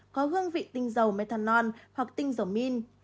có hương vị tinh dầu methanol hoặc tinh dầu min